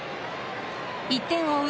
１点を追う